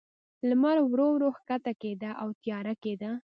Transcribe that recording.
لمر ورو، ورو کښته کېده، او تیاره کېده.